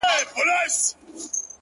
خپلي خبري خو نو نه پرې کوی-